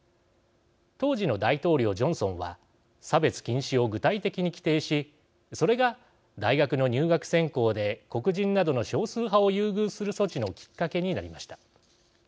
当時の大統領ジョンソンは差別禁止を具体的に規定しそれが大学の入学選考で黒人などの少数派を優遇する措置のきっかけになりました。